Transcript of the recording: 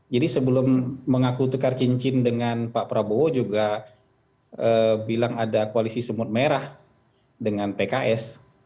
jadi sebelum mengaku tukar cincin dengan pak prabowo juga bilang ada koalisi semut merah dengan pks